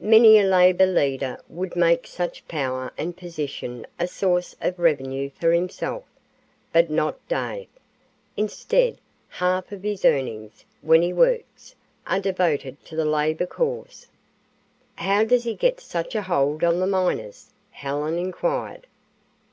Many a labor leader would make such power and position a source of revenue for himself, but not Dave. Instead, half of his earnings, when he works, are devoted to the labor cause." "How does he get such a hold on the miners?" Helen inquired.